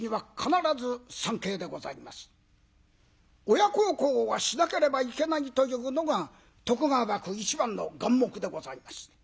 親孝行はしなければいけないというのが徳川幕府一番の眼目でございました。